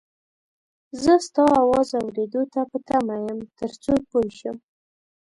زه ستا اواز اورېدو ته په تمه یم تر څو پوی شم